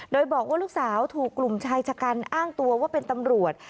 โดยบอกว่าลูกสาวถูกกลุ่มชายชะกันอ้างตัวว่าเป็นตำรวจ